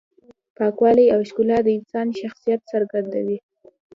پاکوالی او ښکلا د انسان شخصیت څرګندوي.